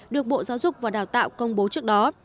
được bộ giáo dục và đào tạo công bố trước đó